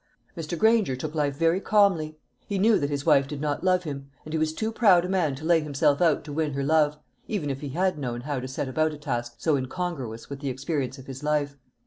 Mr. Granger took life very calmly. He knew that his wife did not love him; and he was too proud a man to lay himself out to win her love, even if he had known how to set about a task so incongruous with the experience of his life.